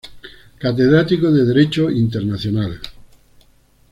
Catedrático de Derecho internacional.